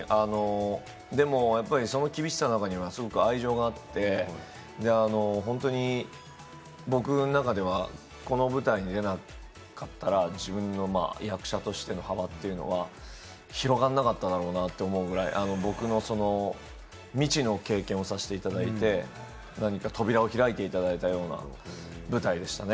でもその厳しさの中にはすごく愛情があって、本当に僕の中ではこの舞台に出なかったら、自分の役者としての幅というのは広がらなかっただろうなと思うぐらい、僕の未知の経験をさせていただいて、何か扉を開いていただいたような舞台でしたね。